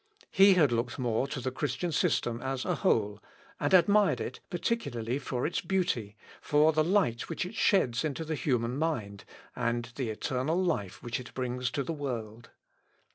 He had looked more to the Christian system as a whole, and admired it particularly for its beauty, for the light which it sheds into the human mind, and the eternal life which it brings to the world.